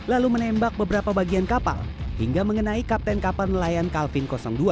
lalu menembak beberapa bagian kapal hingga mengenai kapten kapal nelayan kelvin dua